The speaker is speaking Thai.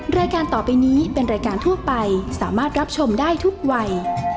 รายการต่อไปนี้เป็นรายการทั่วไปสามารถรับชมได้ทุกวัย